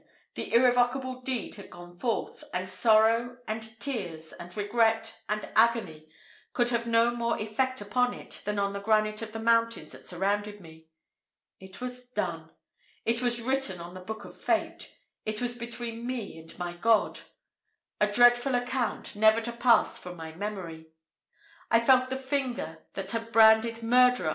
The irrevocable deed had gone forth; and sorrow, and tears, and regret, and agony could have no more effect upon it than on the granite of the mountains that surrounded me. It was done! It was written on the book of fate! It was between me and my God, a dreadful account, never to pass from my memory. I felt the finger, that had branded _murderer!